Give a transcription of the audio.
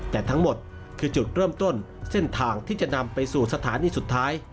แต่ทั้งหมดคือจุดเริ่มต้นเส้นทางที่จะนำไปสู่สถานีสุดท้าย